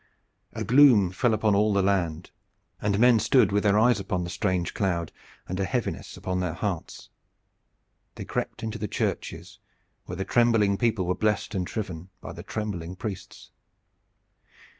A gloom fell upon all the land, and men stood with their eyes upon the strange cloud and a heaviness upon their hearts. They crept into the churches where the trembling people were blessed and shriven by the trembling priests.